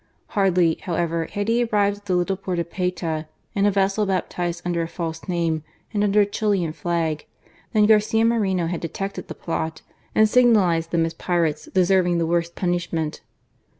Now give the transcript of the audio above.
Hardly, how ever, had he arrived at the little port of Payta, in a vessel baptized under a false name and under the Chilian flag, than Garcia Moreno had detected the plot and signalized them as pirates deserving the worst punishment.